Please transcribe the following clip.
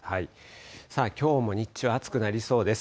さあ、きょうも日中、暑くなりそうです。